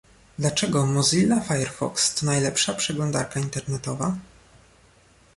Dlaczego Mozilla Firefox to najlepsza przeglądarka internetowa?